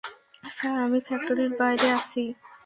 Sir, আমি ফ্যাক্টরির বাইরে আছি।